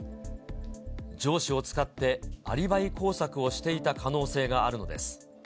上司を使ってアリバイ工作をしていた可能性があるのです。